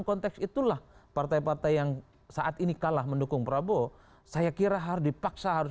konteks itulah partai partai yang saat ini kalah mendukung prabowo saya kira harus dipaksa harus